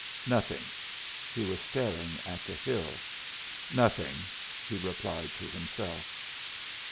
"Nothing." He was staring at the hill. "Nothing," he replied to himself.